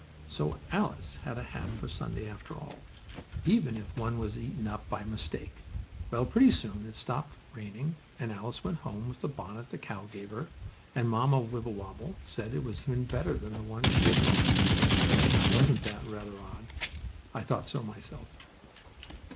So Alice had a hat for Sunday after all, even if one was eaten up by mistake. Well, pretty soon it stopped raining and Alice went home with the bonnet the cow gave her, and Mamma Wibblewobble said it was even better than the one she had bought. Now, wasn't that rather odd? I thought so, myself.